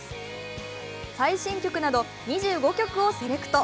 最新曲など２５曲をセレクト。